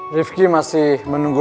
rifki masih menunggu